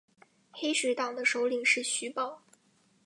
黑水党的首领是徐保。